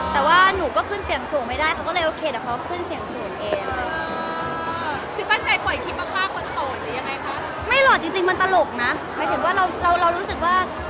แต่ว่าหนูก็ขึ้นเสียงสูงไม่ได้เขาก็เลยโอเคเดี๋ยวเขาขึ้นเสียงสูงเองค่ะ